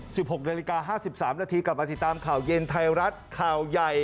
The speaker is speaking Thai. หกนาฬิกาห้าสิบสามนาทีกลับมาติดตามข่าวเย็นไทยรัฐข่าวใหญ่